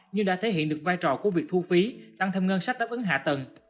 nhưng đã thể hiện được vai trò của việc thu phí tăng thêm ngân sách đáp ứng hạ tầng